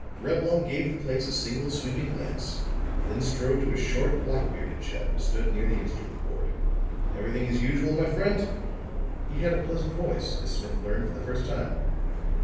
Reblong gave the place a single sweeping glance, then strode to a short, black bearded chap who stood near the instrument board. "Everything as usual, my friend?" He had a pleasant voice, as Smith learned for the first time.